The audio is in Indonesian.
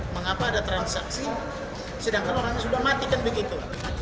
mengapa ada transaksi sedangkan orangnya sudah matikan begitu